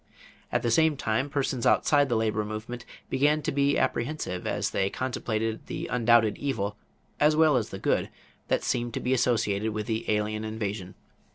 At the same time, persons outside the labor movement began to be apprehensive as they contemplated the undoubted evil, as well as the good, that seemed to be associated with the "alien invasion."